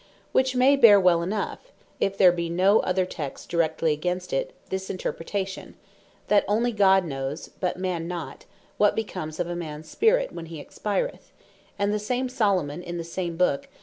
Which may bear well enough (if there be no other text directly against it) this interpretation, that God onely knows, (but Man not,) what becomes of a mans spirit, when he expireth; and the same Solomon, in the same Book, (Chap.